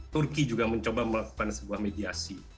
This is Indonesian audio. turki juga mencoba melakukan sebuah mediasi